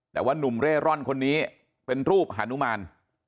แต่ว่านุ่มเร่ร่อนคนนี้เป็นรูปฮานุมาน